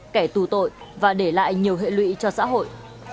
kẻ tù tội và để lại nhiều hệ lụy cho xã hội